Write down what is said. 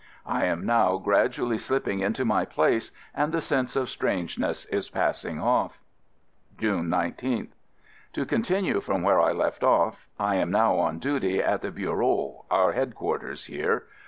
I am now gradually slip ping into my place and the sense of strangeness is passing off. June 19th. To continue from where I left off — I am now on duty at the Bureau — our Headquarters here.